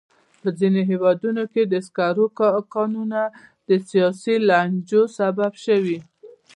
په ځینو هېوادونو کې د سکرو کانونه د سیاسي لانجو سبب شوي.